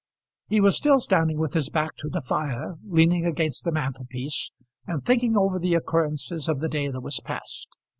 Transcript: He was still standing with his back to the fire, leaning against the mantelpiece, and thinking over the occurrences of the day that was past.